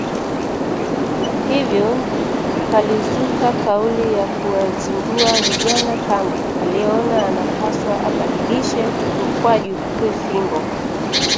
Hivyo palizuka kauli za kuwazindua vijana kama: Aliyeoa anapaswa abadilishe mkwaju uwe fimbo